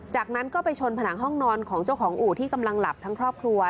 จากนั้นก็ไปชนผนังห้องนอนของเจ้าของอู่ที่กำลังหลับทั้งครอบครัว